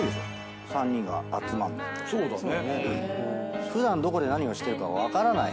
そうだね。